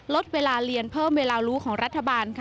ลดเวลาเรียนเพิ่มเวลารู้ของรัฐบาลค่ะ